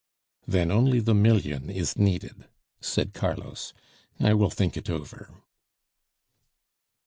"Then only the million is needed," said Carlos. "I will think it over."